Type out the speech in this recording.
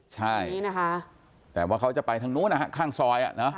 ใช่แต่ว่าเขาจะไปทางนู้นข้างซอย